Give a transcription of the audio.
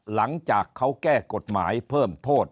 หลังจากเขาแก้กฎหมายเพิ่มโทษ